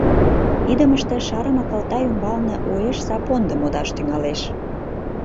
Идымыште шарыме кылта ӱмбалне уэш сапондо модаш тӱҥалеш.